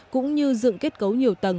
cũng như dựng kết cấu nhiều tầng